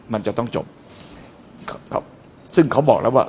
มันจะต้องจบครับซึ่งเขาบอกแล้วว่า